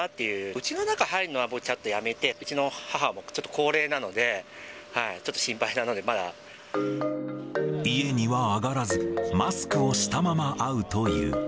うちの中、入るのはちょっとやめて、うちの母もちょっと高齢なの家には上がらず、マスクをしたまま会うという。